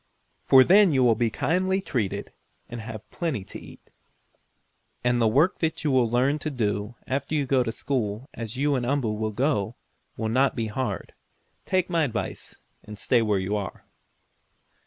For then you will be kindly treated, and have plenty to eat. And the work you will learn to do, after you go to school, as you and Umboo will go, will not be hard. Take my advice and stay where you are."